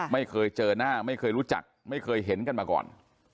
ไม่เคยเจอหน้าไม่เคยรู้จักไม่เคยเห็นกันมาก่อน